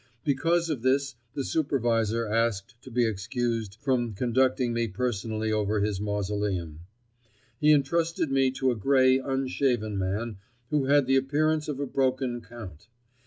Because of this the supervisor asked to be excused from conducting me personally over his mausoleum. He entrusted me to a gray, unshaven man who had the appearance of a broken Count.